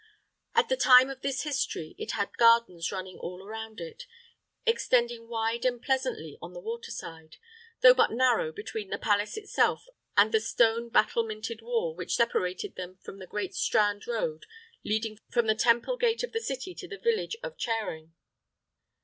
At the time of this history it had gardens running all around it, extending wide and pleasantly on the water side, though but narrow between the palace itself and the stone battlemented wall which separated them from the great Strand road leading from the Temple gate of the city to the village of Charing.